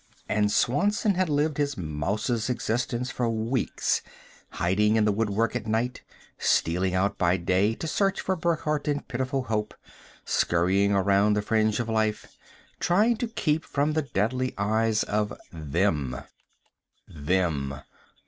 And Swanson had lived his mouse's existence for weeks, hiding in the woodwork at night, stealing out by day to search for Burckhardt in pitiful hope, scurrying around the fringe of life, trying to keep from the deadly eyes of them. Them.